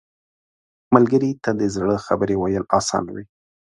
ملګری ته د زړه خبرې ویل اسانه وي